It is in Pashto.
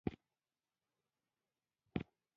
مایا قبیلې شمالي سیمو ته مهاجرت وکړ.